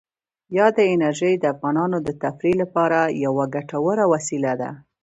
بادي انرژي د افغانانو د تفریح لپاره یوه ګټوره وسیله ده.